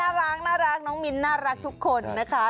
น่ารักน้องมิ้นน่ารักทุกคนนะคะ